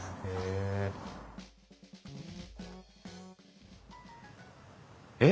へえ。